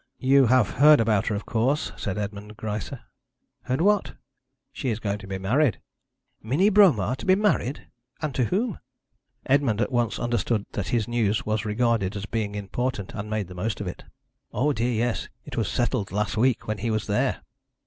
'You have heard about her, of course,' said Edmond Greisse. 'Heard what?' 'She is going to be married.' 'Minnie Bromar to be married? And to whom?' Edmond at once understood that his news was regarded as being important, and made the most of it. 'O dear, yes. It was settled last week when he was there.'